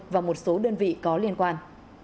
và một số đơn vị có liên quan